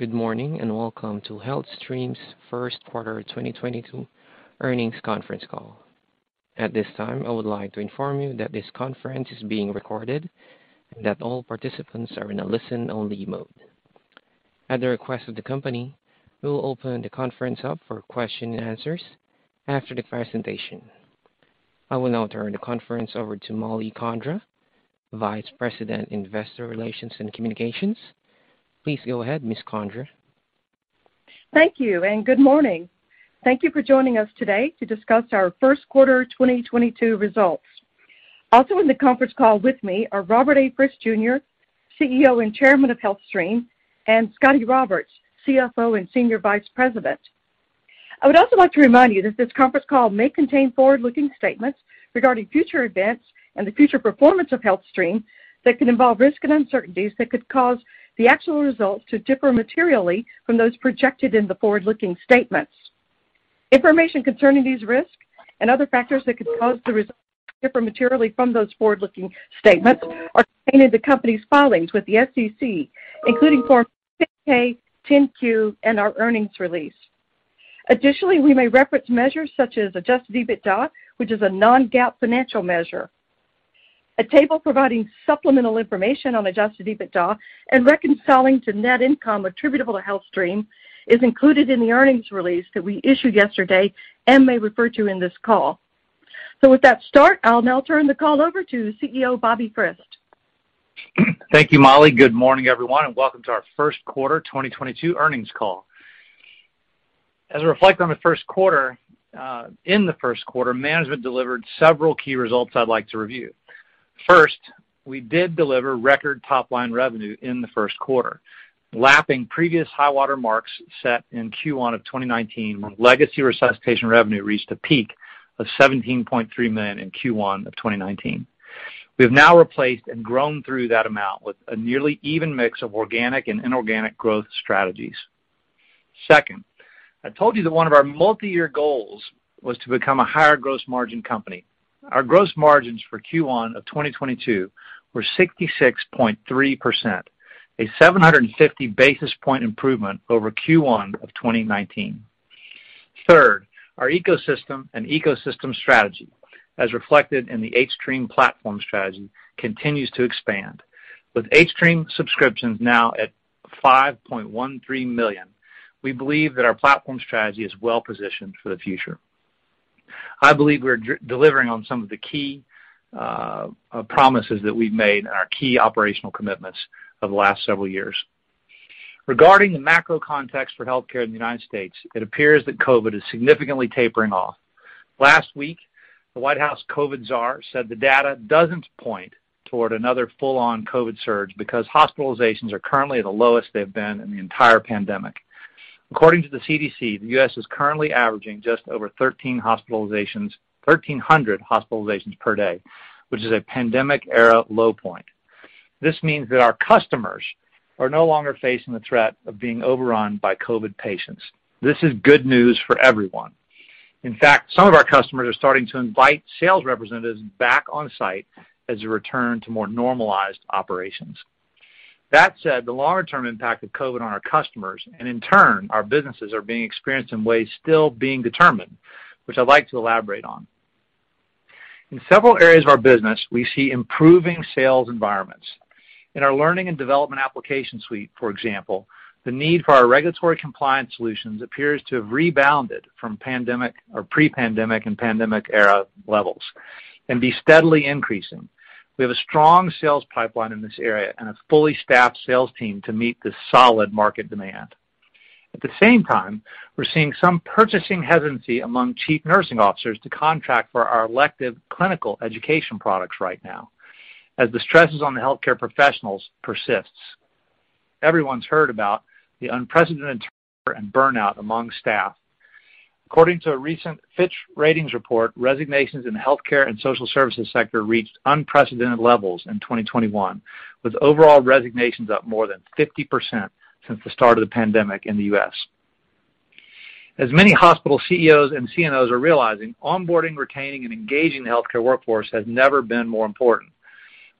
Good morning, and welcome to HealthStream's first quarter 2022 earnings conference call. At this time, I would like to inform you that this conference is being recorded and that all participants are in a listen-only mode. At the request of the company, we will open the conference up for question and answers after the presentation. I will now turn the conference over to Mollie Condra, Vice President, Investor Relations and Communications. Please go ahead, Ms. Condra. Thank you, and good morning. Thank you for joining us today to discuss our first quarter 2022 results. Also in the conference call with me are Robert A. Frist Jr., CEO and Chairman of HealthStream, and Scotty Roberts, CFO and Senior Vice President. I would also like to remind you that this conference call may contain forward-looking statements regarding future events and the future performance of HealthStream that can involve risks and uncertainties that could cause the actual results to differ materially from those projected in the forward-looking statements. Information concerning these risks and other factors that could cause the results to differ materially from those forward-looking statements are contained in the company's filings with the SEC, including Forms 6-K, 10-Q, and our earnings release. Additionally, we may reference measures such as adjusted EBITDA, which is a non-GAAP financial measure. A table providing supplemental information on adjusted EBITDA and reconciling to net income attributable to HealthStream is included in the earnings release that we issued yesterday and may refer to in this call. With that start, I'll now turn the call over to CEO Bobby Frist. Thank you, Molly. Good morning, everyone, and welcome to our first quarter 2022 earnings call. As I reflect on the first quarter, management delivered several key results I'd like to review. First, we did deliver record top-line revenue in the first quarter, lapping previous high water marks set in Q1 of 2019 when legacy resuscitation revenue reached a peak of $17.3 million in Q1 of 2019. We have now replaced and grown through that amount with a nearly even mix of organic and inorganic growth strategies. Second, I told you that one of our multi-year goals was to become a higher gross margin company. Our gross margins for Q1 of 2022 were 66.3%, a 750 basis point improvement over Q1 of 2019. Third, our ecosystem and ecosystem strategy, as reflected in the hStream platform strategy, continues to expand. With hStream subscriptions now at 5.13 million, we believe that our platform strategy is well-positioned for the future. I believe we're delivering on some of the key promises that we've made and our key operational commitments of the last several years. Regarding the macro context for healthcare in the United States, it appears that COVID is significantly tapering off. Last week, the White House COVID czar said the data doesn't point toward another full-on COVID surge because hospitalizations are currently the lowest they've been in the entire pandemic. According to the CDC, the U.S. is currently averaging just over 1,300 hospitalizations per day, which is a pandemic era low point. This means that our customers are no longer facing the threat of being overrun by COVID patients. This is good news for everyone. In fact, some of our customers are starting to invite sales representatives back on-site as we return to more normalized operations. That said, the longer-term impact of COVID on our customers, and in turn, our businesses are being experienced in ways still being determined, which I'd like to elaborate on. In several areas of our business, we see improving sales environments. In our learning and development application suite, for example, the need for our regulatory compliance solutions appears to have rebounded from pre-pandemic or pandemic-era levels and be steadily increasing. We have a strong sales pipeline in this area and a fully staffed sales team to meet the solid market demand. At the same time, we're seeing some purchasing hesitancy among Chief Nursing Officers to contract for our elective clinical education products right now, as the stresses on the healthcare professionals persist. Everyone's heard about the unprecedented burnout among staff. According to a recent Fitch Ratings report, resignations in the healthcare and social services sector reached unprecedented levels in 2021, with overall resignations up more than 50% since the start of the pandemic in the U.S. As many hospital CEOs and CNOs are realizing, onboarding, retaining, and engaging the healthcare workforce has never been more important.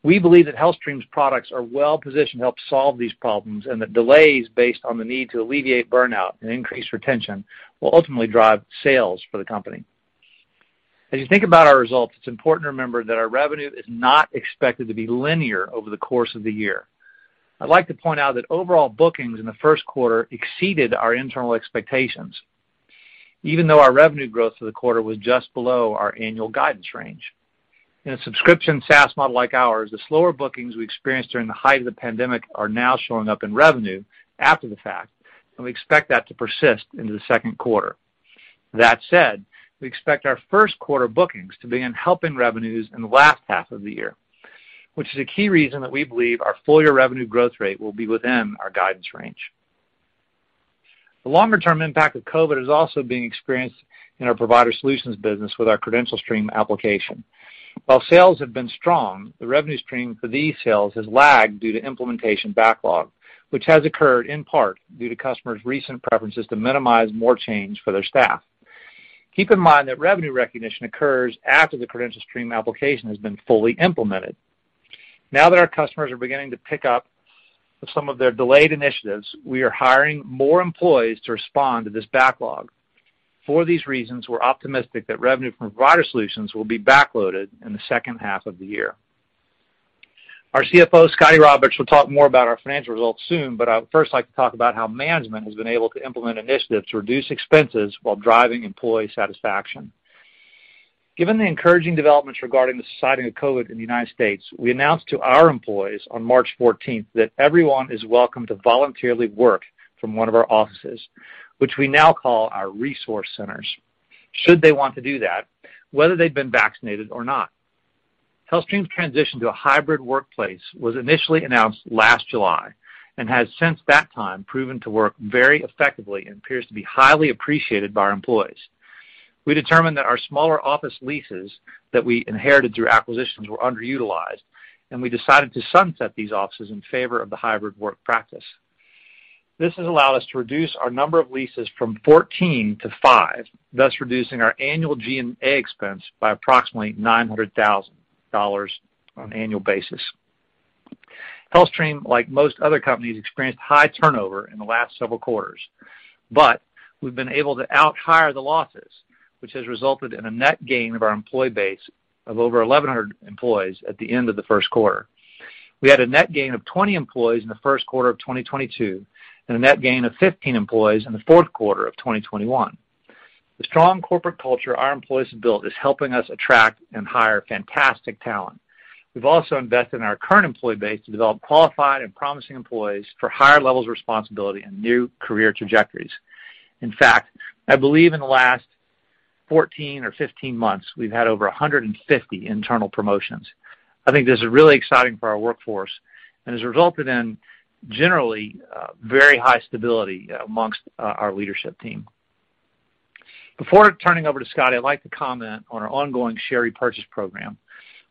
We believe that HealthStream's products are well-positioned to help solve these problems and that delays based on the need to alleviate burnout and increase retention will ultimately drive sales for the company. As you think about our results, it's important to remember that our revenue is not expected to be linear over the course of the year. I'd like to point out that overall bookings in the first quarter exceeded our internal expectations, even though our revenue growth for the quarter was just below our annual guidance range. In a subscription SaaS model like ours, the slower bookings we experienced during the height of the pandemic are now showing up in revenue after the fact, and we expect that to persist into the second quarter. That said, we expect our first quarter bookings to begin helping revenues in the last half of the year, which is a key reason that we believe our full-year revenue growth rate will be within our guidance range. The longer term impact of COVID is also being experienced in our Provider Solutions business with our CredentialStream application. While sales have been strong, the revenue stream for these sales has lagged due to implementation backlog, which has occurred in part due to customers' recent preferences to minimize more change for their staff. Keep in mind that revenue recognition occurs after the CredentialStream application has been fully implemented. Now that our customers are beginning to pick up some of their delayed initiatives, we are hiring more employees to respond to this backlog. For these reasons, we're optimistic that revenue from Provider Solutions will be backloaded in the second half of the year. Our CFO, Scotty Roberts, will talk more about our financial results soon, but I would first like to talk about how management has been able to implement initiatives to reduce expenses while driving employee satisfaction. Given the encouraging developments regarding the subsiding of COVID in the United States, we announced to our employees on March 14 that everyone is welcome to voluntarily work from one of our offices, which we now call our resource centers, should they want to do that, whether they've been vaccinated or not. HealthStream's transition to a hybrid workplace was initially announced last July and has since that time proven to work very effectively and appears to be highly appreciated by our employees. We determined that our smaller office leases that we inherited through acquisitions were underutilized, and we decided to sunset these offices in favor of the hybrid work practice. This has allowed us to reduce our number of leases from 14 to five, thus reducing our annual G&A expense by approximately $900,000 on an annual basis. HealthStream, like most other companies, experienced high turnover in the last several quarters, but we've been able to outhire the losses, which has resulted in a net gain of our employee base of over 1,100 employees at the end of the first quarter. We had a net gain of 20 employees in the first quarter of 2022, and a net gain of 15 employees in the fourth quarter of 2021. The strong corporate culture our employees have built is helping us attract and hire fantastic talent. We've also invested in our current employee base to develop qualified and promising employees for higher levels of responsibility and new career trajectories. In fact, I believe in the last 14 or 15 months, we've had over 150 internal promotions. I think this is really exciting for our workforce and has resulted in generally, very high stability among our leadership team. Before turning over to Scotty, I'd like to comment on our ongoing share repurchase program.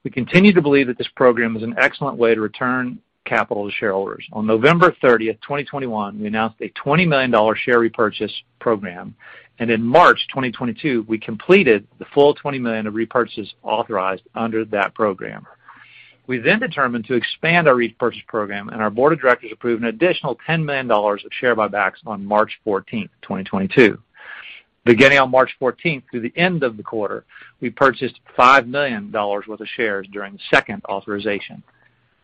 We continue to believe that this program is an excellent way to return capital to shareholders. On November 30, 2021, we announced a $20 million share repurchase program, and in March 2022, we completed the full $20 million of repurchases authorized under that program. We then determined to expand our repurchase program, and our board of directors approved an additional $10 million of share buybacks on March 14, 2022. Beginning on March 14 through the end of the quarter, we purchased $5 million worth of shares during the second authorization.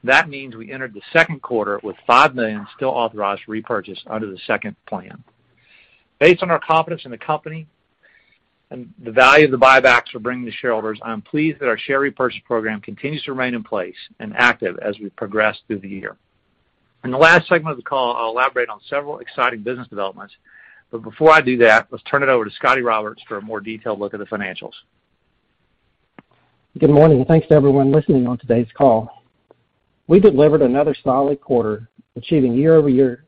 That means we entered the second quarter with $5 million still authorized repurchase under the second plan. Based on our confidence in the company and the value the buybacks will bring to shareholders, I am pleased that our share repurchase program continues to remain in place and active as we progress through the year. In the last segment of the call, I'll elaborate on several exciting business developments, but before I do that, let's turn it over to Scotty Roberts for a more detailed look at the financials. Good morning, and thanks to everyone listening on today's call. We delivered another solid quarter, achieving year-over-year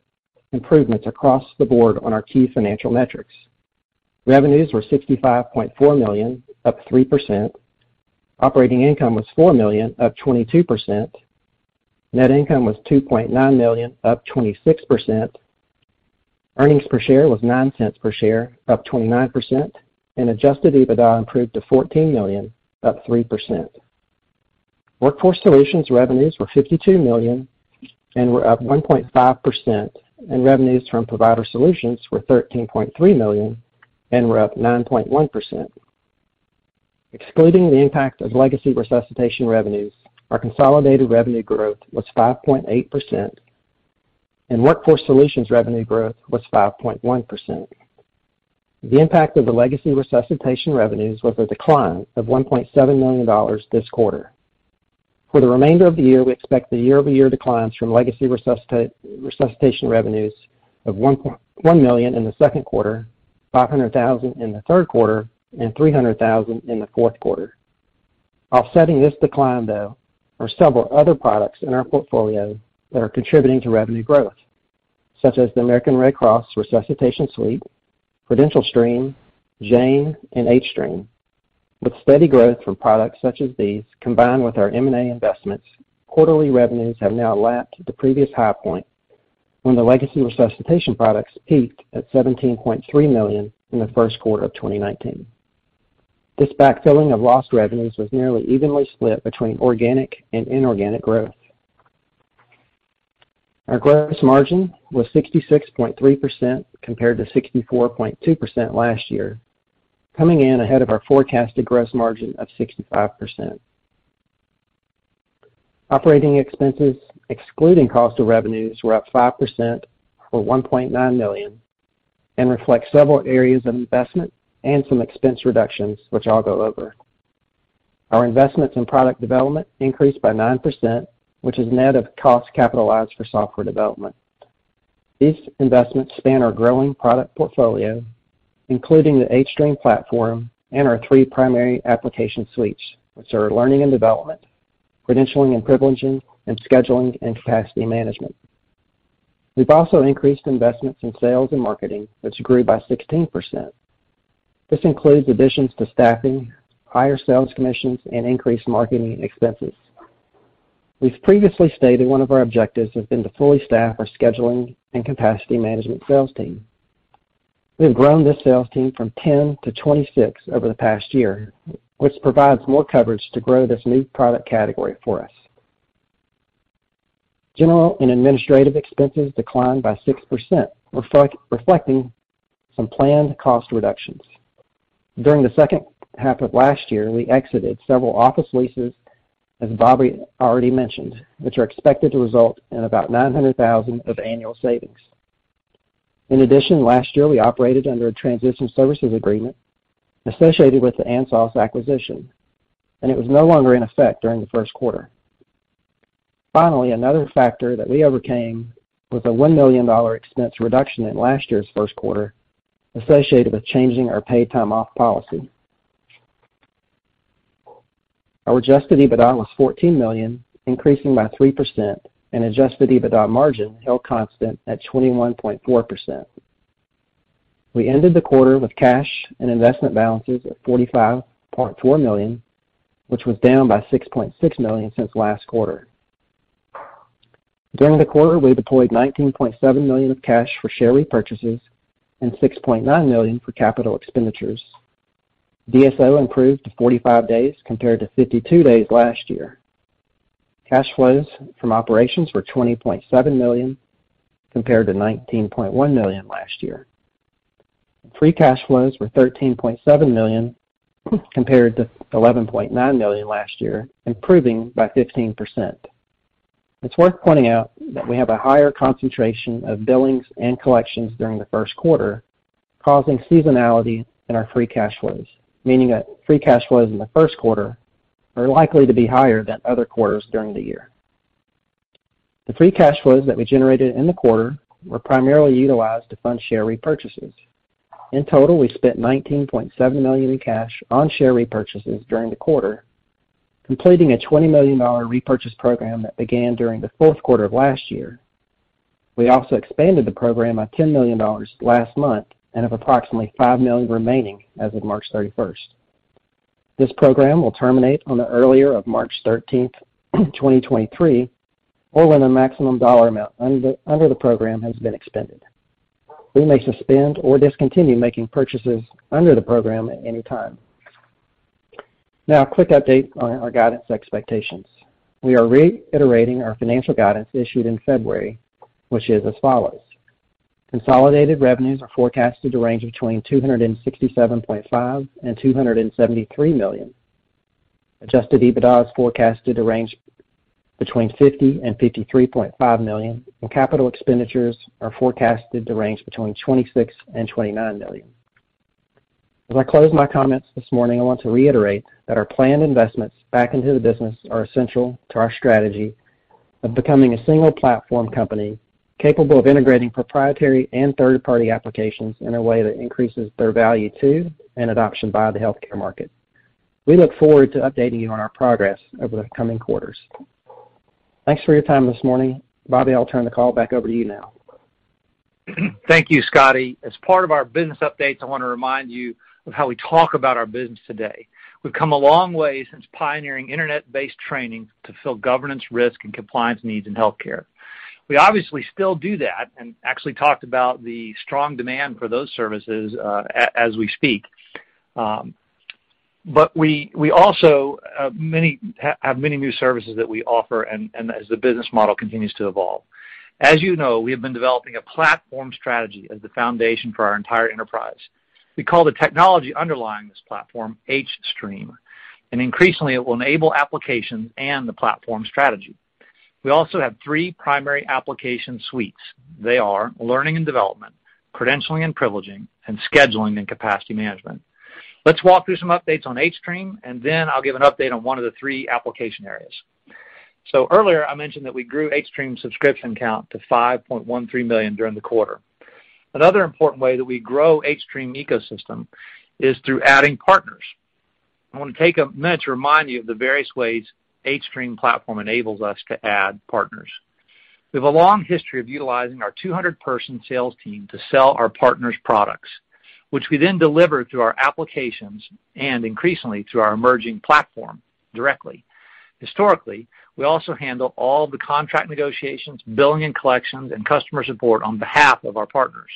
improvements across the board on our key financial metrics. Revenues were $65.4 million, up 3%. Operating income was $4 million, up 22%. Net income was $2.9 million, up 26%. Earnings per share was $0.09 per share, up 29%. Adjusted EBITDA improved to $14 million, up 3%. Workforce Solutions revenues were $52 million and were up 1.5%, and revenues from Provider Solutions were $13.3 million and were up 9.1%. Excluding the impact of legacy resuscitation revenues, our consolidated revenue growth was 5.8%, and Workforce Solutions revenue growth was 5.1%. The impact of the legacy resuscitation revenues was a decline of $1.7 million this quarter. For the remainder of the year, we expect the year-over-year declines from legacy resuscitation revenues of $1.1 million in the second quarter, $500,000 in the third quarter, and $300,000 in the fourth quarter. Offsetting this decline, though, are several other products in our portfolio that are contributing to revenue growth, such as the American Red Cross Resuscitation Suite, CredentialStream, Jane, and hStream. With steady growth from products such as these, combined with our M&A investments, quarterly revenues have now lapped the previous high point when the legacy resuscitation products peaked at $17.3 million in the first quarter of 2019. This backfilling of lost revenues was nearly evenly split between organic and inorganic growth. Our gross margin was 66.3% compared to 64.2% last year, coming in ahead of our forecasted gross margin of 65%. Operating expenses, excluding cost of revenues, were up 5% or $1.9 million and reflect several areas of investment and some expense reductions, which I'll go over. Our investments in product development increased by 9%, which is net of costs capitalized for software development. These investments span our growing product portfolio, including the hStream platform and our three primary application suites, which are learning and development, credentialing and privileging, and scheduling and capacity management. We've also increased investments in sales and marketing, which grew by 16%. This includes additions to staffing, higher sales commissions, and increased marketing expenses. We've previously stated one of our objectives has been to fully staff our scheduling and capacity management sales team. We've grown this sales team from 10 to 26 over the past year, which provides more coverage to grow this new product category for us. General and administrative expenses declined by 6%, reflecting some planned cost reductions. During the second half of last year, we exited several office leases, as Bobby already mentioned, which are expected to result in about $900,000 of annual savings. In addition, last year, we operated under a transition services agreement associated with the Ansos acquisition, and it was no longer in effect during the first quarter. Finally, another factor that we overcame was a $1 million expense reduction in last year's first quarter associated with changing our paid time off policy. Our adjusted EBITDA was $14 million, increasing by 3%, and adjusted EBITDA margin held constant at 21.4%. We ended the quarter with cash and investment balances of $45.4 million, which was down by $6.6 million since last quarter. During the quarter, we deployed $19.7 million of cash for share repurchases and $6.9 million for capital expenditures. DSO improved to 45 days compared to 52 days last year. Cash flows from operations were $20.7 million compared to $19.1 million last year. Free cash flows were $13.7 million compared to $11.9 million last year, improving by 15%. It's worth pointing out that we have a higher concentration of billings and collections during the first quarter, causing seasonality in our free cash flows, meaning that free cash flows in the first quarter are likely to be higher than other quarters during the year. The free cash flows that we generated in the quarter were primarily utilized to fund share repurchases. In total, we spent $19.7 million in cash on share repurchases during the quarter, completing a $20 million repurchase program that began during the fourth quarter of last year. We also expanded the program by $10 million last month and have approximately $5 million remaining as of March 31st. This program will terminate on the earlier of March 13th, 2023, or when the maximum dollar amount under the program has been expended. We may suspend or discontinue making purchases under the program at any time. Now, a quick update on our guidance expectations. We are reiterating our financial guidance issued in February, which is as follows: Consolidated revenues are forecasted to range between $267.5 million and $273 million. Adjusted EBITDA is forecasted to range between $50 million and $53.5 million, and capital expenditures are forecasted to range between $26 million and $29 million. As I close my comments this morning, I want to reiterate that our planned investments back into the business are essential to our strategy of becoming a single platform company capable of integrating proprietary and third-party applications in a way that increases their value to and adoption by the healthcare market. We look forward to updating you on our progress over the coming quarters. Thanks for your time this morning. Bobby, I'll turn the call back over to you now. Thank you, Scotty. As part of our business updates, I wanna remind you of how we talk about our business today. We've come a long way since pioneering internet-based training to fill governance, risk, and compliance needs in healthcare. We obviously still do that and actually talked about the strong demand for those services, as we speak. But we also have many new services that we offer and as the business model continues to evolve. As you know, we have been developing a platform strategy as the foundation for our entire enterprise. We call the technology underlying this platform hStream, and increasingly it will enable applications and the platform strategy. We also have three primary application suites. They are learning and development, credentialing and privileging, and scheduling and capacity management. Let's walk through some updates on hStream, and then I'll give an update on one of the three application areas. Earlier I mentioned that we grew hStream subscription count to 5.13 million during the quarter. Another important way that we grow hStream ecosystem is through adding partners. I want to take a minute to remind you of the various ways hStream platform enables us to add partners. We have a long history of utilizing our 200-person sales team to sell our partners products, which we then deliver through our applications and increasingly through our emerging platform directly. Historically, we also handle all the contract negotiations, billing and collections, and customer support on behalf of our partners.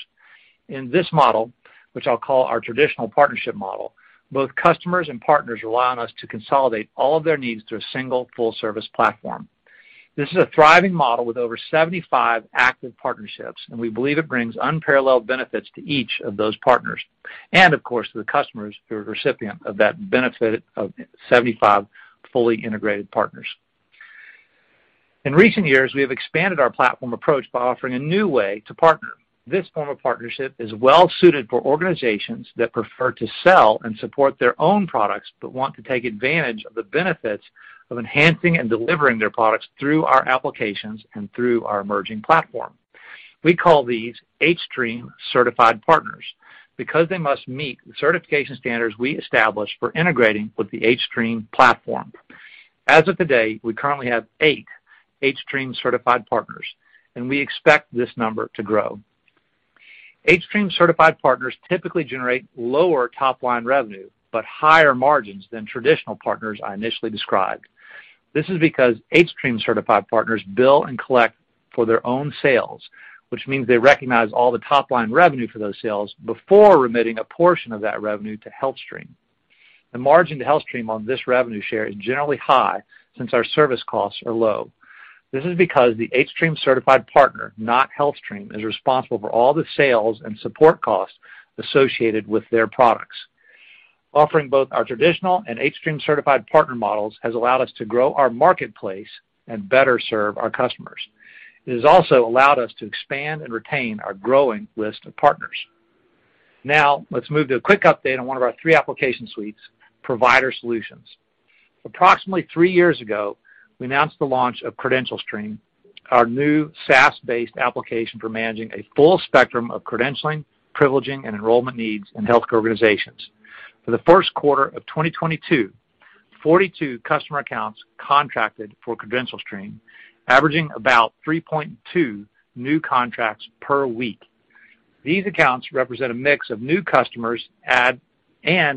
In this model, which I'll call our traditional partnership model, both customers and partners rely on us to consolidate all of their needs through a single full service platform. This is a thriving model with over 75 active partnerships, and we believe it brings unparalleled benefits to each of those partners and of course to the customers who are recipient of that benefit of 75 fully integrated partners. In recent years, we have expanded our platform approach by offering a new way to partner. This form of partnership is well suited for organizations that prefer to sell and support their own products, but want to take advantage of the benefits of enhancing and delivering their products through our applications and through our emerging platform. We call these hStream-certified partners because they must meet the certification standards we establish for integrating with the hStream platform. As of today, we currently have eight hStream-certified partners, and we expect this number to grow. hStream-certified partners typically generate lower top-line revenue, but higher margins than traditional partners I initially described. This is because hStream-certified partners bill and collect for their own sales, which means they recognize all the top-line revenue for those sales before remitting a portion of that revenue to HealthStream. The margin to HealthStream on this revenue share is generally high since our service costs are low. This is because the hStream-certified partner, not HealthStream, is responsible for all the sales and support costs associated with their products. Offering both our traditional and hStream-certified partner models has allowed us to grow our marketplace and better serve our customers. It has also allowed us to expand and retain our growing list of partners. Now, let's move to a quick update on one of our three application suites, Provider Solutions. Approximately three years ago, we announced the launch of CredentialStream, our new SaaS-based application for managing a full spectrum of credentialing, privileging, and enrollment needs in healthcare organizations. For the first quarter of 2022, 42 customer accounts contracted for CredentialStream, averaging about 3.2 new contracts per week. These accounts represent a mix of new customers and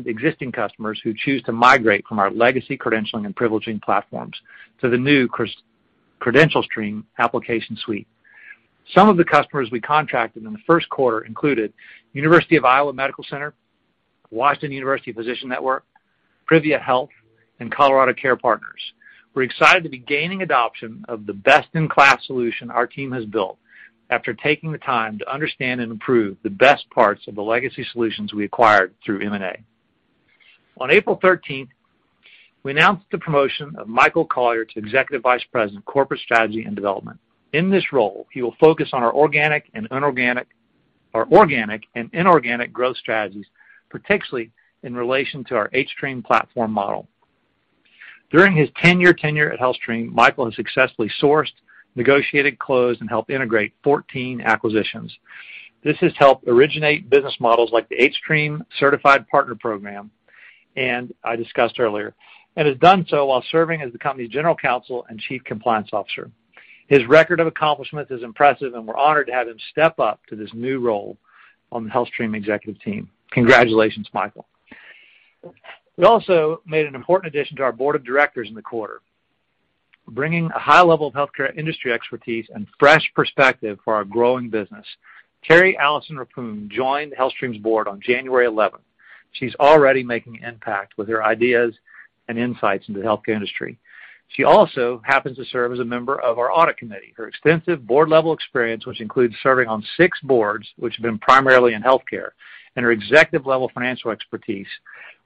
existing customers who choose to migrate from our legacy credentialing and privileging platforms to the new CredentialStream application suite. Some of the customers we contracted in the first quarter included University of Iowa Hospitals and Clinics, Washington University Physician Network, Privia Health, and Colorado Care Partners. We're excited to be gaining adoption of the best-in-class solution our team has built after taking the time to understand and improve the best parts of the legacy solutions we acquired through M&A. On April thirteenth, we announced the promotion of Michael Collier to Executive Vice President, Corporate Strategy and Development. In this role, he will focus on our organic and inorganic growth strategies, particularly in relation to our hStream platform model. During his 10-year tenure at HealthStream, Michael has successfully sourced, negotiated, closed, and helped integrate 14 acquisitions. This has helped originate business models like the hStream Certified Partner program, and I discussed earlier, and has done so while serving as the company's General Counsel and Chief Compliance Officer. His record of accomplishment is impressive, and we're honored to have him step up to this new role on the HealthStream executive team. Congratulations, Michael. We also made an important addition to our board of directors in the quarter, bringing a high level of healthcare industry expertise and fresh perspective for our growing business. Terry Allison Rappuhn joined HealthStream's board on January 11. She's already making impact with her ideas and insights into the healthcare industry. She also happens to serve as a member of our audit committee. Her extensive board-level experience, which includes serving on six boards, which have been primarily in healthcare, and her executive-level financial expertise,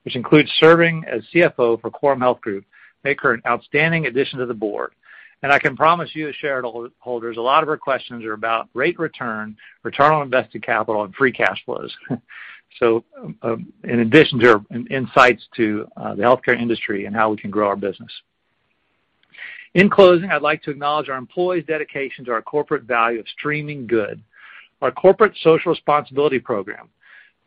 which includes serving as CFO for Coram Healthcare Corporation, make her an outstanding addition to the board. I can promise you, as shareholders, a lot of her questions are about rate of return on invested capital, and free cash flows. In addition to her insights into the healthcare industry and how we can grow our business. In closing, I'd like to acknowledge our employees' dedication to our corporate value of Streaming Good. Our corporate social responsibility program,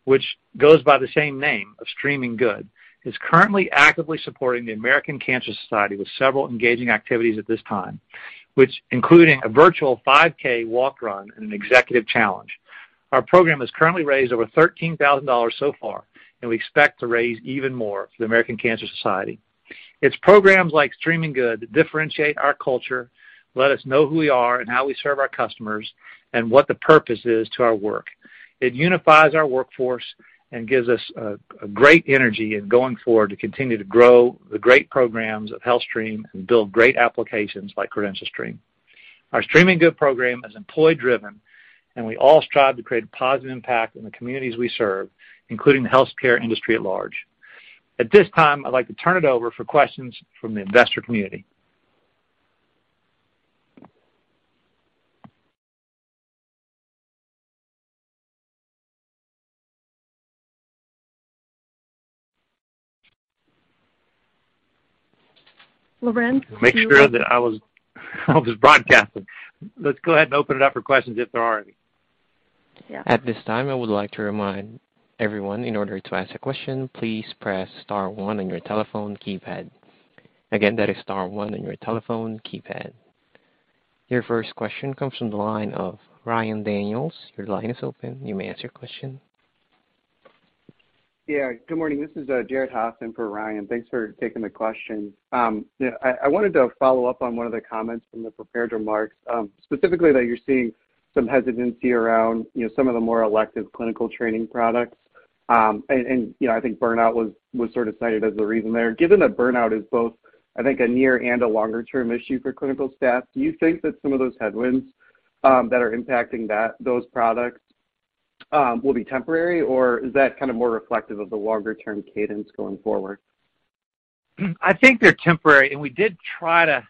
which goes by the same name of Streaming Good, is currently actively supporting the American Cancer Society with several engaging activities at this time, which including a virtual 5K walk-run and an executive challenge. Our program has currently raised over $13,000 so far, and we expect to raise even more for the American Cancer Society. It's programs like Streaming Good that differentiate our culture, let us know who we are and how we serve our customers, and what the purpose is to our work. It unifies our workforce and gives us a great energy in going forward to continue to grow the great programs of HealthStream and build great applications like CredentialStream. Our Streaming Good program is employee-driven, and we all strive to create a positive impact in the communities we serve, including the healthcare industry at large. At this time, I'd like to turn it over for questions from the investor community. Loren, can you? Make sure that I was broadcasting. Let's go ahead and open it up for questions if there are any. Yeah. At this time, I would like to remind everyone in order to ask a question, please press star one on your telephone keypad. Again, that is star one on your telephone keypad. Your first question comes from the line of Ryan Daniels. Your line is open. You may ask your question. Yeah, good morning. This is Jared Haase for Ryan. Thanks for taking the question. Yeah, I wanted to follow up on one of the comments from the prepared remarks, specifically that you're seeing some hesitancy around, you know, some of the more elective clinical training products. And, you know, I think burnout was sort of cited as the reason there. Given that burnout is both, I think, a near and a longer-term issue for clinical staff, do you think that some of those headwinds that are impacting that, those products will be temporary, or is that kind of more reflective of the longer-term cadence going forward? I think they're temporary, and we did try to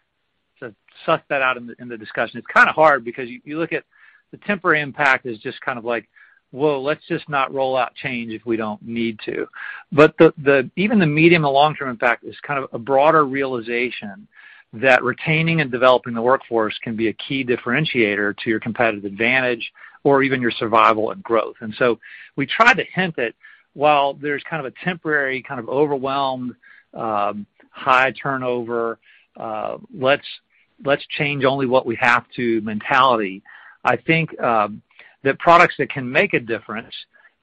suss that out in the discussion. It's kind of hard because you look at the temporary impact is just kind of like, whoa, let's just not roll out change if we don't need to. The even the medium and long-term impact is kind of a broader realization that retaining and developing the workforce can be a key differentiator to your competitive advantage or even your survival and growth. We try to hint that while there's kind of a temporary kind of overwhelmed, high turnover, let's change only what we have to mentality. I think the products that can make a difference,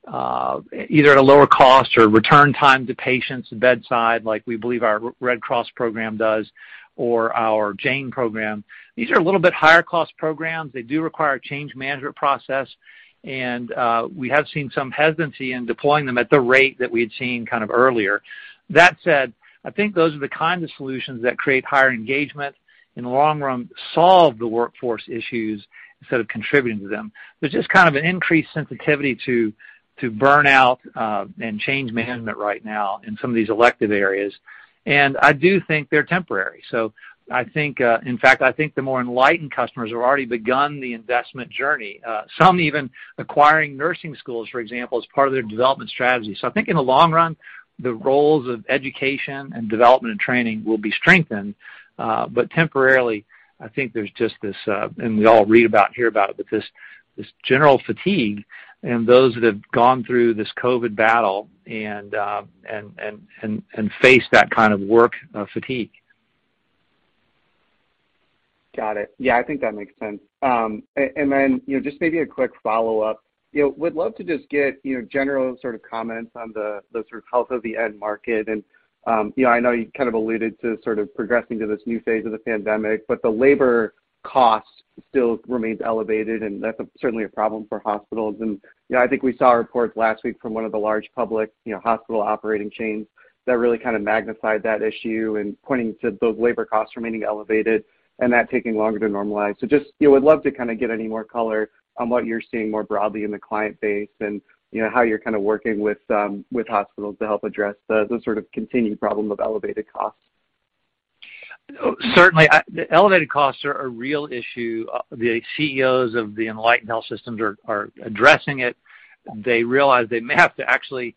either at a lower cost or return time to patients bedside, like we believe our Red Cross program does or our Jane program. These are a little bit higher cost programs. They do require a change management process, and we have seen some hesitancy in deploying them at the rate that we had seen kind of earlier. That said, I think those are the kinds of solutions that create higher engagement, in the long run, solve the workforce issues instead of contributing to them. There's just kind of an increased sensitivity to burnout and change management right now in some of these elective areas. I do think they're temporary. I think, in fact, I think the more enlightened customers have already begun the investment journey. Some even acquiring nursing schools, for example, as part of their development strategy. I think in the long run, the roles of education and development and training will be strengthened. Temporarily, I think there's just this, and we all read about and hear about, this general fatigue and those that have gone through this COVID battle and faced that kind of work fatigue. Got it. Yeah, I think that makes sense. Then, you know, just maybe a quick follow-up. You know, would love to just get, you know, general sort of comments on the sort of health of the end market. I know you kind of alluded to sort of progressing to this new phase of the pandemic, but the labor cost still remains elevated, and that's certainly a problem for hospitals. I think we saw a report last week from one of the large public, you know, hospital operating chains that really kind of magnified that issue and pointing to those labor costs remaining elevated and that taking longer to normalize. Just, you know, would love to kind of get any more color on what you're seeing more broadly in the client base and, you know, how you're kind of working with hospitals to help address the sort of continuing problem of elevated costs. Certainly, the elevated costs are a real issue. The CEOs of the enlightened health systems are addressing it. They realize they may have to actually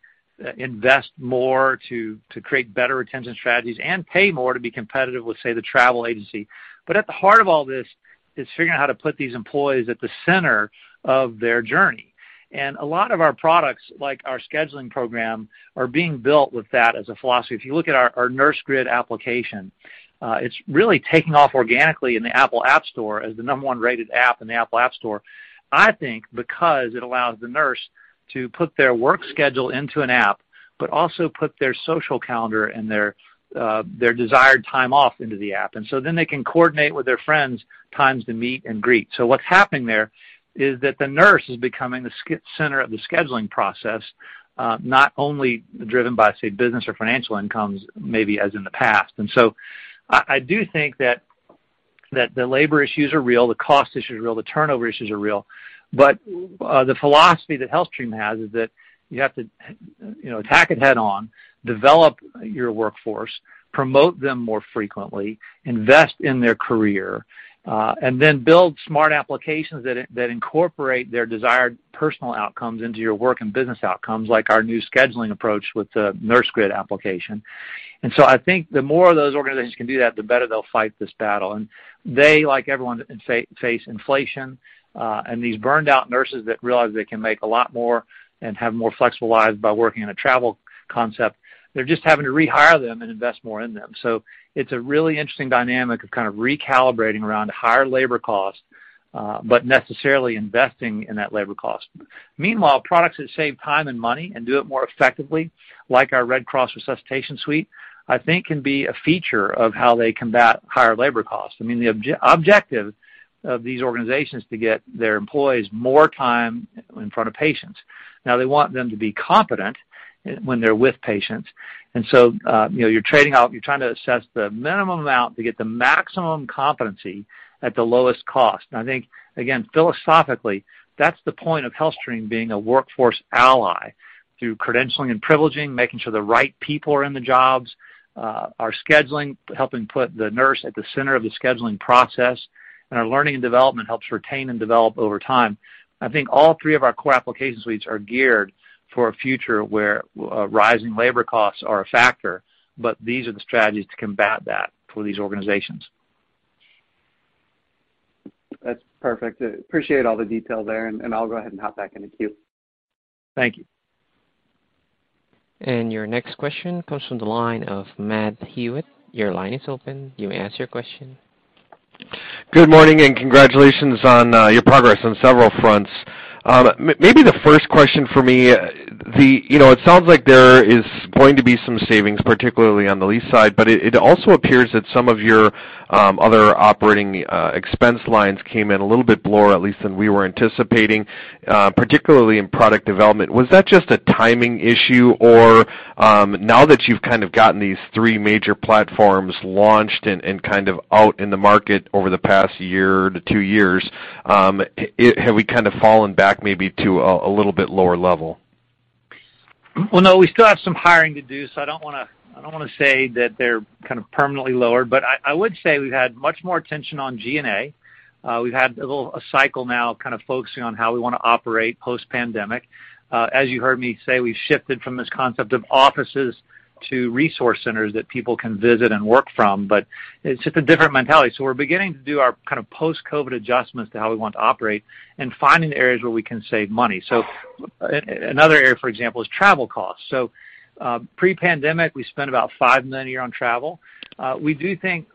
invest more to create better retention strategies and pay more to be competitive with, say, the travel agency. At the heart of all this is figuring out how to put these employees at the center of their journey. A lot of our products, like our scheduling program, are being built with that as a philosophy. If you look at our Nursegrid application, it's really taking off organically in the App Store as the No. 1 rated app in the App Store. I think because it allows the nurse to put their work schedule into an app, but also put their social calendar and their desired time off into the app. They can coordinate with their friends times to meet and greet. What's happening there is that the nurse is becoming the center of the scheduling process, not only driven by, say, business or financial incomes, maybe as in the past. I do think that the labor issues are real, the cost issues are real, the turnover issues are real. The philosophy that HealthStream has is that you have to, you know, attack it head on, develop your workforce, promote them more frequently, invest in their career, and then build smart applications that incorporate their desired personal outcomes into your work and business outcomes, like our new scheduling approach with the Nursegrid application. I think the more of those organizations can do that, the better they'll fight this battle. They, like everyone, face inflation and these burned-out nurses that realize they can make a lot more and have more flexible lives by working in a travel concept. They're just having to rehire them and invest more in them. It's a really interesting dynamic of kind of recalibrating around higher labor costs, but necessarily investing in that labor cost. Meanwhile, products that save time and money and do it more effectively, like our Red Cross Resuscitation Suite, I think can be a feature of how they combat higher labor costs. I mean, the objective of these organizations to get their employees more time in front of patients. Now, they want them to be competent when they're with patients. You know, you're trading out, you're trying to assess the minimum amount to get the maximum competency at the lowest cost. I think, again, philosophically, that's the point of HealthStream being a workforce ally through credentialing and privileging, making sure the right people are in the jobs, our scheduling, helping put the nurse at the center of the scheduling process, and our learning and development helps retain and develop over time. I think all three of our core application suites are geared for a future where rising labor costs are a factor, but these are the strategies to combat that for these organizations. That's perfect. I appreciate all the detail there, and I'll go ahead and hop back in the queue. Thank you. Your next question comes from the line of Matt Hewitt. Your line is open. You may ask your question. Good morning, and congratulations on your progress on several fronts. Maybe the first question for me. You know, it sounds like there is going to be some savings, particularly on the lease side, but it also appears that some of your other operating expense lines came in a little bit lower, at least than we were anticipating, particularly in product development. Was that just a timing issue or now that you've kind of gotten these three major platforms launched and kind of out in the market over the past year to two years, have we kind of fallen back maybe to a little bit lower level? Well, no, we still have some hiring to do, so I don't wanna say that they're kind of permanently lower. I would say we've had much more attention on G&A. We've had a little cycle now kind of focusing on how we wanna operate post-pandemic. As you heard me say, we've shifted from this concept of offices to resource centers that people can visit and work from, but it's just a different mentality. We're beginning to do our kind of post-COVID adjustments to how we want to operate and finding the areas where we can save money. Another area, for example, is travel costs. Pre-pandemic, we spent about $5 million a year on travel. We do think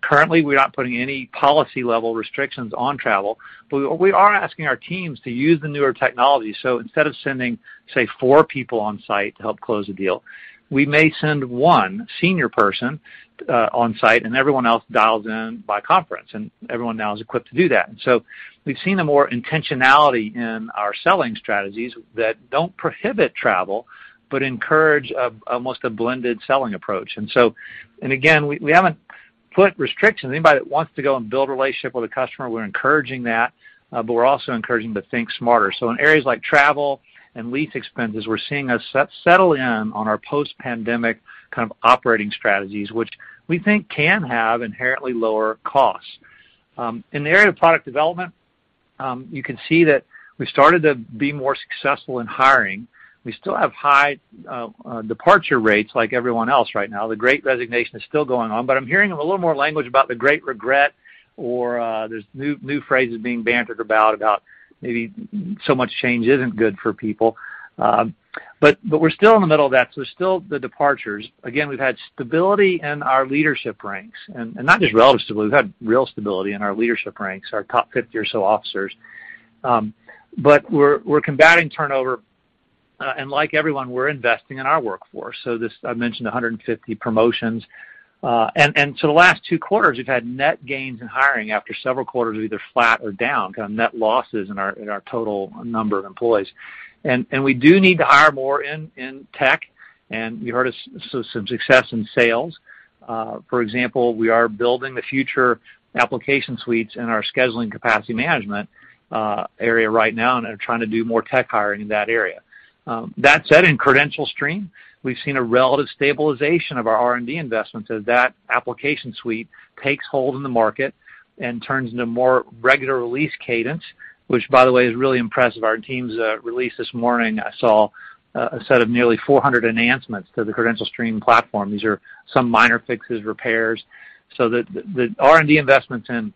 currently, we're not putting any policy-level restrictions on travel, but we are asking our teams to use the newer technology. Instead of sending, say, four people on site to help close a deal, we may send one senior person on site and everyone else dials in by conference, and everyone now is equipped to do that. We've seen a more intentionality in our selling strategies that don't prohibit travel, but encourage almost a blended selling approach. We haven't put restrictions. Anybody that wants to go and build a relationship with a customer, we're encouraging that, but we're also encouraging to think smarter. In areas like travel and lease expenses, we're seeing us settle in on our post-pandemic kind of operating strategies, which we think can have inherently lower costs. In the area of product development, you can see that we started to be more successful in hiring. We still have high departure rates like everyone else right now. The Great Resignation is still going on. I'm hearing a little more language about the Great Regret or there's new phrases being bandied about about maybe so much change isn't good for people. We're still in the middle of that, so still the departures. Again, we've had stability in our leadership ranks, and not just relative stability. We've had real stability in our leadership ranks, our top 50 or so officers. We're combating turnover, and like everyone, we're investing in our workforce. This, I mentioned 150 promotions. The last two quarters, we've had net gains in hiring after several quarters of either flat or down, kind of net losses in our total number of employees. We do need to hire more in tech, and you heard us, so some success in sales. For example, we are building the future application suites in our scheduling capacity management area right now and are trying to do more tech hiring in that area. That said, in CredentialStream, we've seen a relative stabilization of our R&D investments as that application suite takes hold in the market and turns into more regular release cadence, which by the way is really impressive. Our teams' release this morning, I saw a set of nearly 400 enhancements to the CredentialStream platform. These are some minor fixes, repairs. The R&D investments in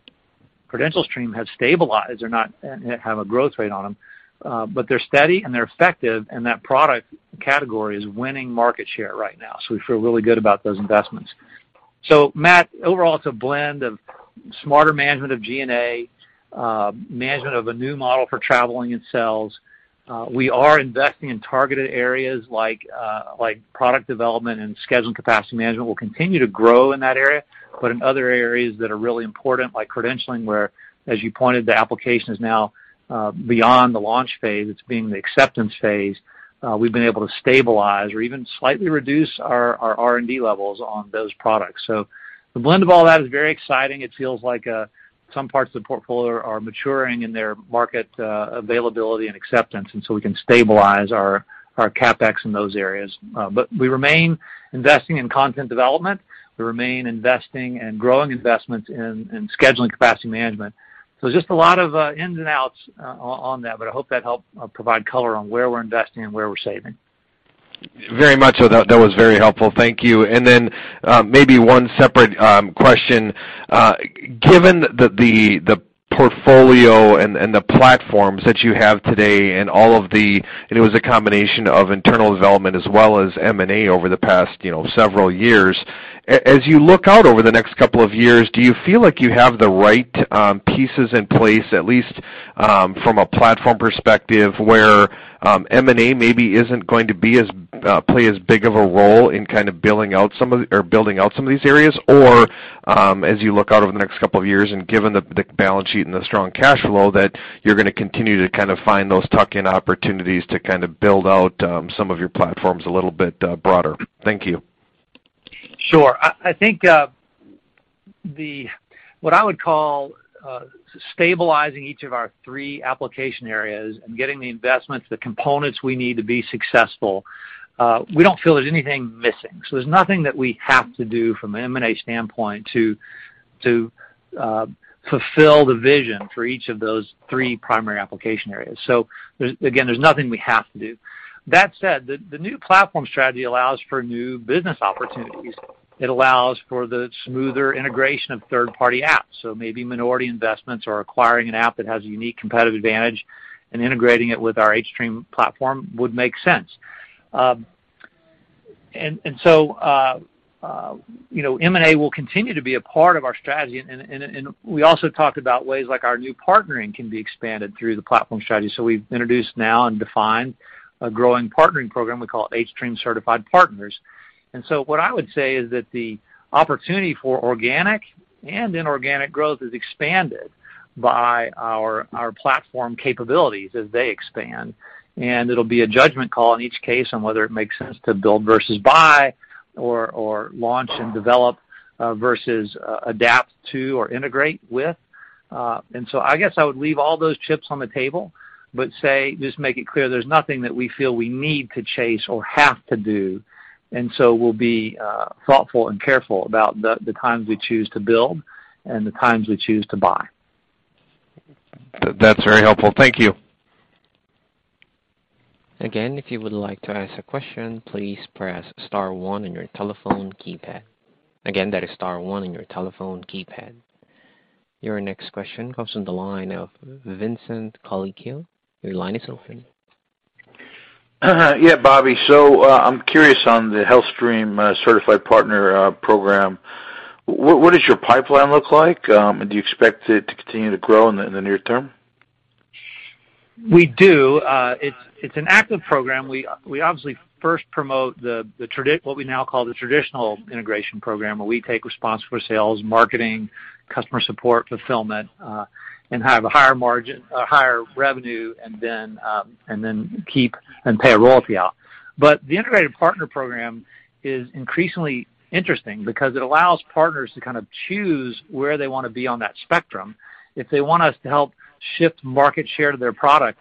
CredentialStream have stabilized. They don't have a growth rate on them, but they're steady and they're effective, and that product category is winning market share right now. We feel really good about those investments. Matt, overall, it's a blend of smarter management of G&A, management of a new model for travel and sales. We are investing in targeted areas like product development and scheduling and capacity management. We'll continue to grow in that area, but in other areas that are really important, like credentialing, where, as you pointed, the application is now beyond the launch phase, it's in the acceptance phase, we've been able to stabilize or even slightly reduce our R&D levels on those products. The blend of all that is very exciting. It feels like some parts of the portfolio are maturing in their market availability and acceptance, and so we can stabilize our CapEx in those areas. We remain investing in content development. We remain investing and growing investments in scheduling capacity management. Just a lot of ins and outs on that, but I hope that helped provide color on where we're investing and where we're saving. Very much. That was very helpful. Thank you. Maybe one separate question. Given the portfolio and the platforms that you have today. It was a combination of internal development as well as M&A over the past, you know, several years. As you look out over the next couple of years, do you feel like you have the right pieces in place, at least, from a platform perspective, where M&A maybe isn't going to be as big of a role in kind of building out some of these areas? As you look out over the next couple of years and given the balance sheet and the strong cash flow, that you're gonna continue to kind of find those tuck-in opportunities to kind of build out some of your platforms a little bit broader? Thank you. Sure. I think what I would call stabilizing each of our three application areas and getting the investments, the components we need to be successful, we don't feel there's anything missing. There's nothing that we have to do from an M&A standpoint to fulfill the vision for each of those three primary application areas. There's nothing we have to do. That said, the new platform strategy allows for new business opportunities. It allows for the smoother integration of third-party apps. Maybe minority investments or acquiring an app that has a unique competitive advantage and integrating it with our hStream platform would make sense. You know, M&A will continue to be a part of our strategy and we also talked about ways like our new partnering can be expanded through the platform strategy. We've introduced now and defined a growing partnering program we call hStream Certified Partners. What I would say is that the opportunity for organic and inorganic growth is expanded by our platform capabilities as they expand. It'll be a judgment call in each case on whether it makes sense to build versus buy or launch and develop versus adapt to or integrate with. I guess I would leave all those chips on the table, but say, just make it clear there's nothing that we feel we need to chase or have to do. We'll be thoughtful and careful about the times we choose to build and the times we choose to buy. That's very helpful. Thank you. Again, if you would like to ask a question, please press star one on your telephone keypad. Again, that is star one on your telephone keypad. Your next question comes from the line of Vincent Colicchio. Your line is open. Yeah, Bobby. I'm curious on the hStream Certified Partner program. What does your pipeline look like? Do you expect it to continue to grow in the near term? We do. It's an active program. We obviously first promote the what we now call the traditional integration program, where we take responsibility for sales, marketing, customer support, fulfillment, and have a higher margin, a higher revenue and then keep and pay a royalty out. The integrated partner program is increasingly interesting because it allows partners to kind of choose where they wanna be on that spectrum. If they want us to help shift market share to their product,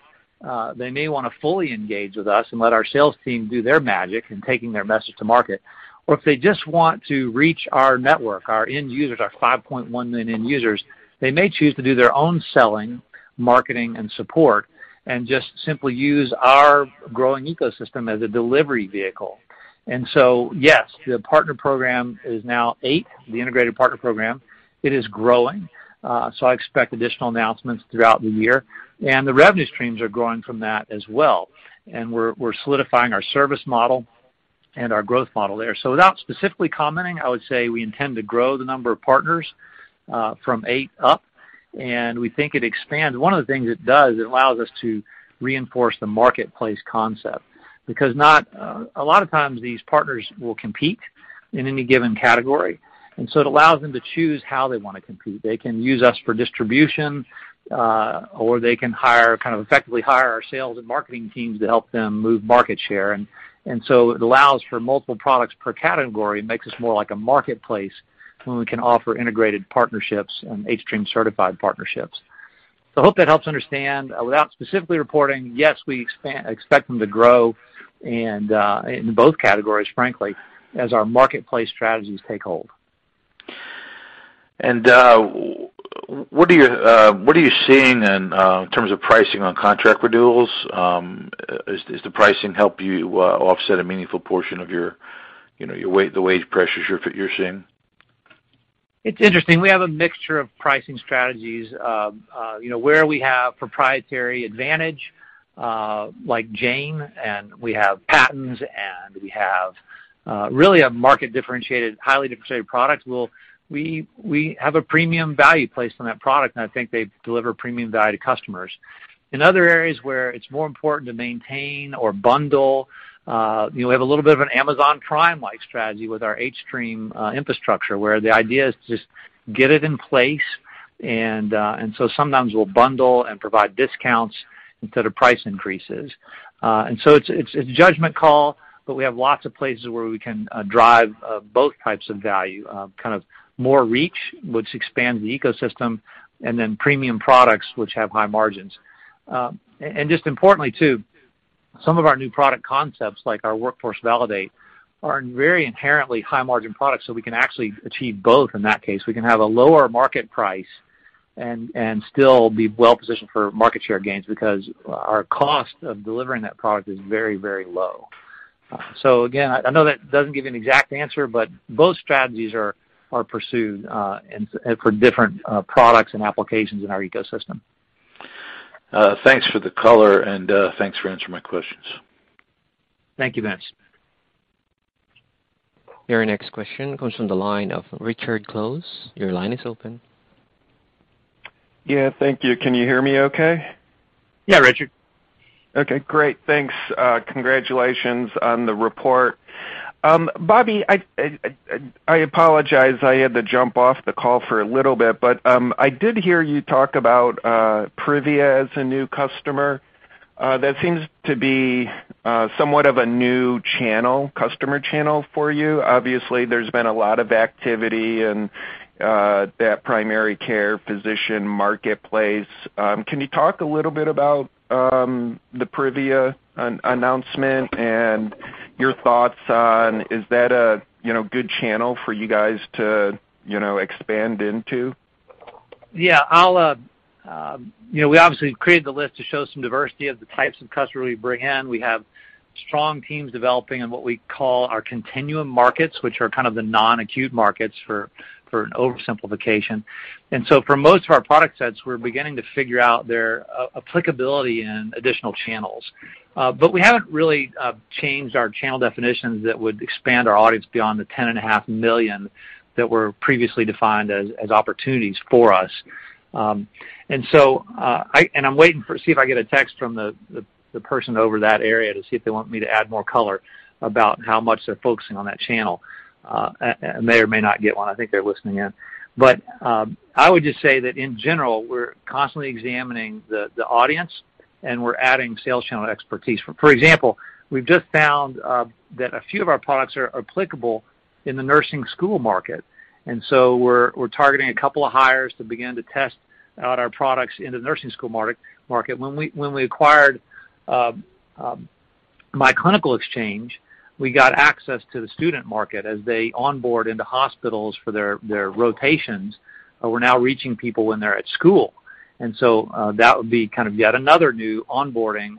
they may wanna fully engage with us and let our sales team do their magic in taking their message to market. If they just want to reach our network, our end users, our 5.1 million end users, they may choose to do their own selling, marketing and support and just simply use our growing ecosystem as a delivery vehicle. Yes, the partner program is now eight, the integrated partner program, it is growing. I expect additional announcements throughout the year, and the revenue streams are growing from that as well. We're solidifying our service model and our growth model there. Without specifically commenting, I would say we intend to grow the number of partners from eight up, and we think it expands. One of the things it does, it allows us to reinforce the marketplace concept because not. A lot of times these partners will compete in any given category, and so it allows them to choose how they wanna compete. They can use us for distribution, or they can hire, kind of effectively hire our sales and marketing teams to help them move market share. It allows for multiple products per category, makes us more like a marketplace when we can offer integrated partnerships and hStream-certified partnerships. I hope that helps understand. Without specifically reporting, yes, we expect them to grow and in both categories, frankly, as our marketplace strategies take hold. What are you seeing in terms of pricing on contract renewals? Is the pricing help you offset a meaningful portion of your, you know, your the wage pressures you're seeing? It's interesting. We have a mixture of pricing strategies. You know, where we have proprietary advantage, like Jane, and we have patents and we have really a market differentiated, highly differentiated product, we have a premium value placed on that product, and I think they deliver premium value to customers. In other areas where it's more important to maintain or bundle, you know, we have a little bit of an Amazon Prime-like strategy with our hStream infrastructure, where the idea is to just get it in place and so sometimes we'll bundle and provide discounts instead of price increases. It's a judgment call, but we have lots of places where we can drive both types of value, kind of more reach, which expands the ecosystem, and then premium products which have high margins. Just importantly too, some of our new product concepts, like our Workforce Validate, are very inherently high margin products, so we can actually achieve both in that case. We can have a lower market price and still be well positioned for market share gains because our cost of delivering that product is very low. Again, I know that doesn't give you an exact answer, but both strategies are pursued for different products and applications in our ecosystem. Thanks for the color and thanks for answering my questions. Thank you, Vincent. Your next question comes from the line of Richard Close. Your line is open. Yeah, thank you. Can you hear me okay? Yeah, Richard. Okay, great. Thanks. Congratulations on the report. Bobby, I apologize I had to jump off the call for a little bit, but I did hear you talk about Privia as a new customer. That seems to be somewhat of a new channel, customer channel for you. Obviously, there's been a lot of activity in that primary care physician marketplace. Can you talk a little bit about the Privia announcement and your thoughts on is that a, you know, good channel for you guys to, you know, expand into? Yeah. I'll, you know, we obviously created the list to show some diversity of the types of customers we bring in. We have strong teams developing in what we call our continuum markets, which are kind of the non-acute markets for an oversimplification. For most of our product sets, we're beginning to figure out their applicability in additional channels. We haven't really changed our channel definitions that would expand our audience beyond the 10.5 million that were previously defined as opportunities for us. I'm waiting to see if I get a text from the person over that area to see if they want me to add more color about how much they're focusing on that channel. I may or may not get one. I think they're listening in. I would just say that in general, we're constantly examining the audience, and we're adding sales channel expertise. For example, we've just found that a few of our products are applicable in the nursing school market. We're targeting a couple of hires to begin to test out our products in the nursing school market. When we acquired myClinicalExchange, we got access to the student market as they onboard into hospitals for their rotations. We're now reaching people when they're at school. That would be kind of yet another new onboarding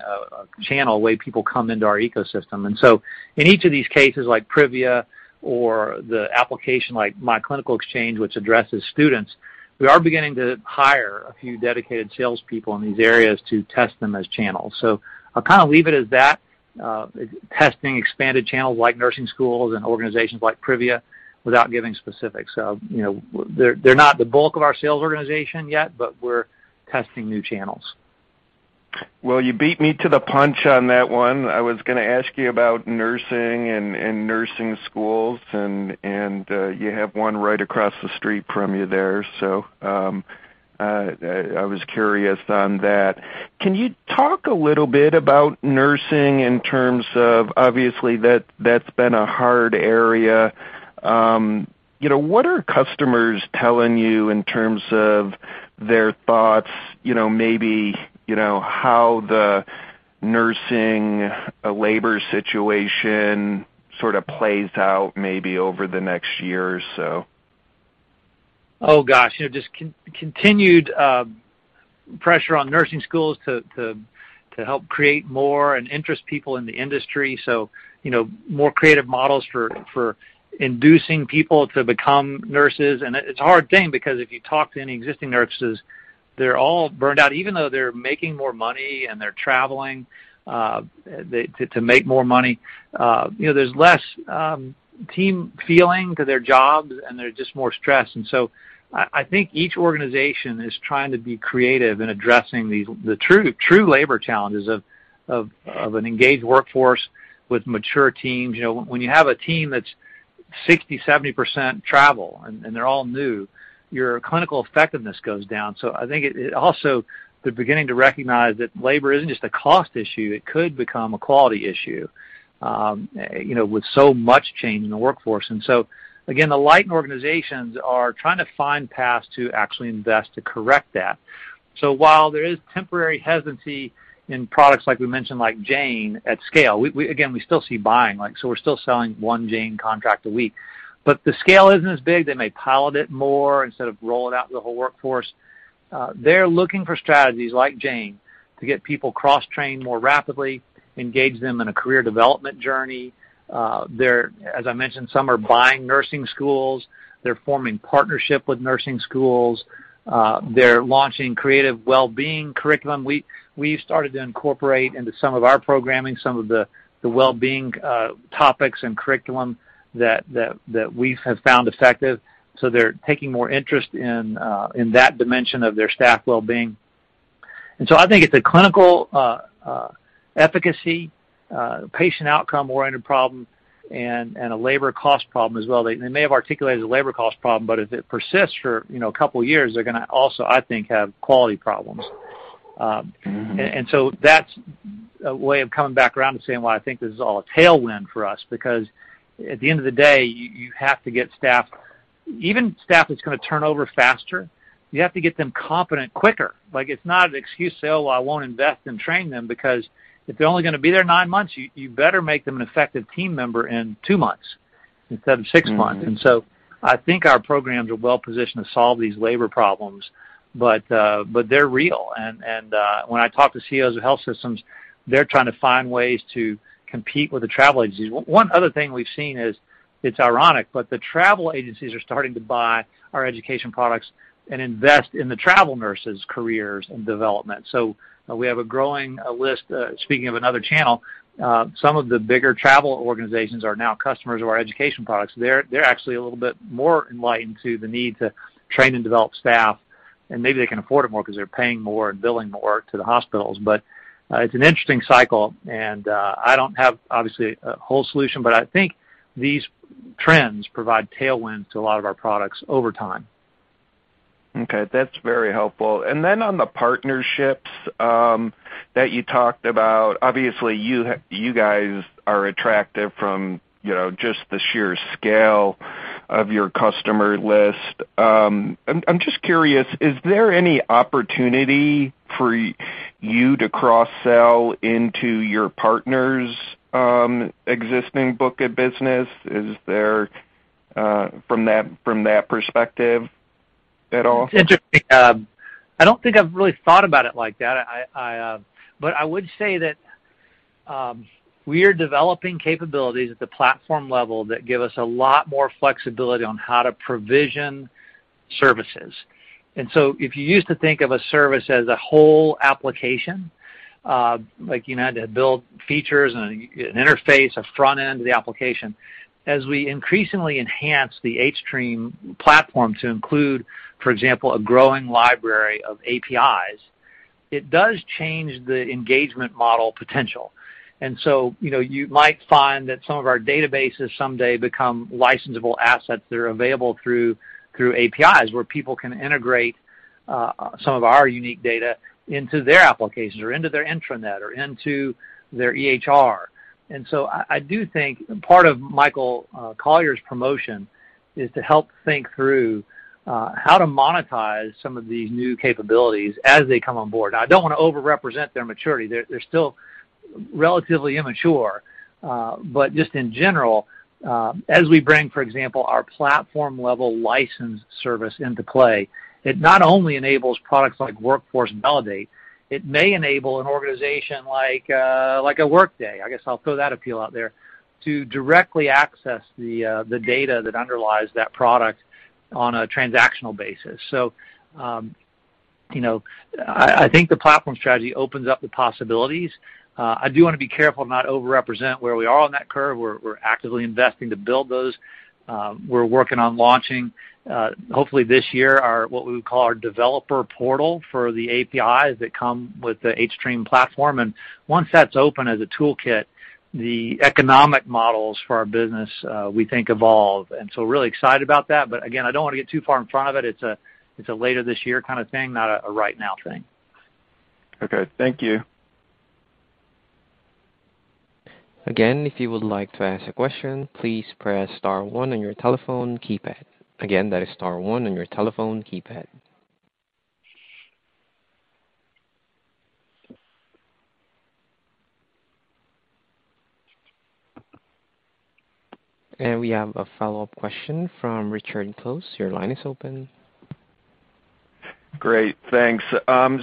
channel way people come into our ecosystem. In each of these cases, like Privia or the application like myClinicalExchange, which addresses students, we are beginning to hire a few dedicated salespeople in these areas to test them as channels. I'll kind of leave it as that, testing expanded channels like nursing schools and organizations like Privia. Without giving specifics. You know, they're not the bulk of our sales organization yet, but we're testing new channels. Well, you beat me to the punch on that one. I was gonna ask you about nursing and nursing schools and you have one right across the street from you there. I was curious on that. Can you talk a little bit about nursing in terms of obviously that's been a hard area. You know, what are customers telling you in terms of their thoughts, you know, maybe, you know, how the nursing labor situation sort of plays out maybe over the next year or so? Oh, gosh, you know, just continued pressure on nursing schools to help create more and interest people in the industry. You know, more creative models for inducing people to become nurses. It's a hard thing because if you talk to any existing nurses, they're all burned out. Even though they're making more money and they're traveling to make more money, you know, there's less team feeling to their jobs, and they're just more stressed. I think each organization is trying to be creative in addressing the true labor challenges of an engaged workforce with mature teams. You know, when you have a team that's 60%-70% travel and they're all new, your clinical effectiveness goes down. I think it also they're beginning to recognize that labor isn't just a cost issue, it could become a quality issue, you know, with so much change in the workforce. Again, the right organizations are trying to find paths to actually invest to correct that. While there is temporary hesitancy in products like we mentioned, like Jane at scale, we again still see buying, like so we're still selling one Jane contract a week, but the scale isn't as big. They may pilot it more instead of roll it out to the whole workforce. They're looking for strategies like Jane to get people cross-trained more rapidly, engage them in a career development journey. As I mentioned, some are buying nursing schools. They're forming partnership with nursing schools. They're launching creative well-being curriculum. We started to incorporate into some of our programming some of the well-being topics and curriculum that we have found effective, so they're taking more interest in that dimension of their staff well-being. I think it's a clinical efficacy patient outcome-oriented problem and a labor cost problem as well. They may have articulated the labor cost problem, but if it persists for, you know, a couple of years, they're gonna also, I think, have quality problems. Mm-hmm. That's a way of coming back around and saying, well, I think this is all a tailwind for us because at the end of the day, you have to get staff even staff that's gonna turn over faster, you have to get them competent quicker. Like it's not an excuse to say, "Oh, well, I won't invest and train them because if they're only gonna be there nine months," you better make them an effective team member in two months instead of six months. Mm-hmm. I think our programs are well positioned to solve these labor problems, but they're real. When I talk to CEOs of health systems, they're trying to find ways to compete with the travel agencies. One other thing we've seen is it's ironic, but the travel agencies are starting to buy our education products and invest in the travel nurses' careers and development. We have a growing list. Speaking of another channel, some of the bigger travel organizations are now customers of our education products. They're actually a little bit more enlightened to the need to train and develop staff, and maybe they can afford it more because they're paying more and billing more to the hospitals. It's an interesting cycle, and I don't have obviously a whole solution, but I think these trends provide tailwind to a lot of our products over time. Okay, that's very helpful. On the partnerships that you talked about, obviously you guys are attractive from, you know, just the sheer scale of your customer list. I'm just curious, is there any opportunity for you to cross-sell into your partners' existing book of business? Is there from that perspective at all? It's interesting. I don't think I've really thought about it like that. I would say that we are developing capabilities at the platform level that give us a lot more flexibility on how to provision services. If you used to think of a service as a whole application, like, you know, to build features and an interface, a front end of the application. As we increasingly enhance the hStream platform to include, for example, a growing library of APIs, it does change the engagement model potential. You know, you might find that some of our databases someday become licensable assets that are available through APIs, where people can integrate some of our unique data into their applications or into their intranet or into their EHR. I do think part of Michael Collier's promotion is to help think through how to monetize some of these new capabilities as they come on board. I don't wanna overrepresent their maturity. They're still relatively immature. But just in general, as we bring, for example, our platform level license service into play, it not only enables products like Workforce Validate, it may enable an organization like a Workday, I guess I'll throw that appeal out there, to directly access the data that underlies that product on a transactional basis. You know, I think the platform strategy opens up the possibilities. I do wanna be careful not to overrepresent where we are on that curve. We're actively investing to build those. We're working on launching, hopefully this year our what we would call our developer portal for the APIs that come with the hStream platform. Once that's open as a toolkit, the economic models for our business, we think evolve. Really excited about that. Again, I don't wanna get too far in front of it. It's a later this year kind of thing, not a right now thing. Okay. Thank you. We have a follow-up question from Richard Close. Your line is open. Great, thanks.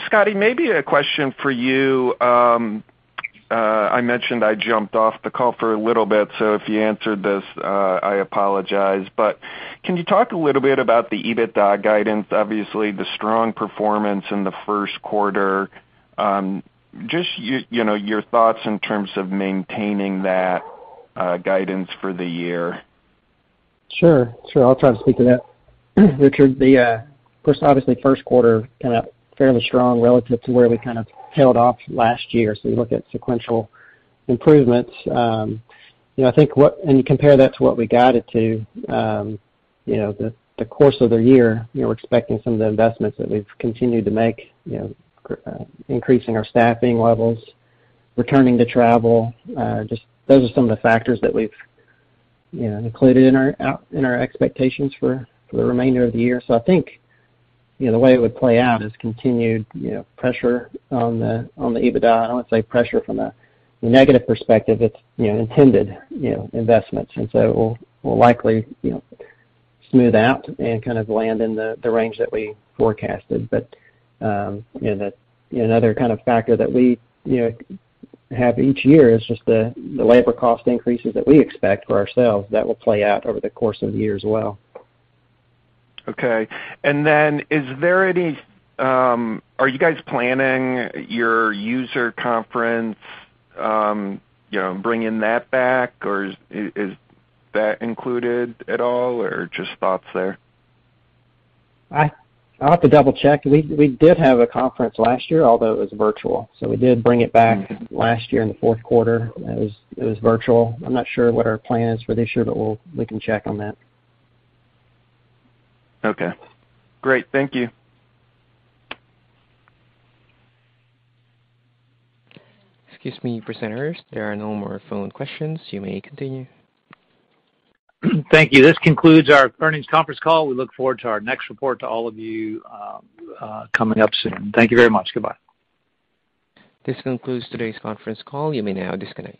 Scotty, maybe a question for you. I mentioned I jumped off the call for a little bit, so if you answered this, I apologize. Can you talk a little bit about the EBITDA guidance, obviously the strong performance in the first quarter, just you know, your thoughts in terms of maintaining that guidance for the year? Sure. I'll try to speak to that, Richard. The first, obviously first quarter came out fairly strong relative to where we kind of tailed off last year. You look at sequential improvements, you know, I think you compare that to what we guided to, you know, the course of the year, you know, we're expecting some of the investments that we've continued to make, you know, increasing our staffing levels, returning to travel, just those are some of the factors that we've, you know, included in our expectations for the remainder of the year. I think, you know, the way it would play out is continued, you know, pressure on the EBITDA. I wouldn't say pressure from a negative perspective. It's, you know, intended, you know, investments. We'll likely, you know, smooth out and kind of land in the range that we forecasted. You know, another kind of factor that we, you know, have each year is just the labor cost increases that we expect for ourselves that will play out over the course of the year as well. Okay. Is there any... Are you guys planning your user conference, you know, bringing that back, or is that included at all, or just thoughts there? I'll have to double-check. We did have a conference last year, although it was virtual. We did bring it back last year in the fourth quarter, and it was virtual. I'm not sure what our plan is for this year, but we can check on that. Okay. Great. Thank you. Excuse me, presenters. There are no more phone questions. You may continue. Thank you. This concludes our earnings conference call. We look forward to our next report to all of you, coming up soon. Thank you very much. Goodbye. This concludes today's conference call. You may now disconnect.